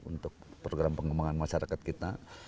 untuk program pengembangan masyarakat kita